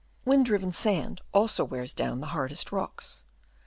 Wind driven sand also wears down the hardest rocks.